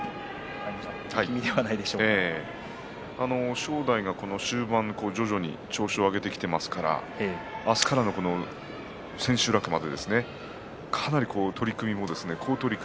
正代、終盤調子を上げてきていますから明日から千秋楽までかなり取組も好取組。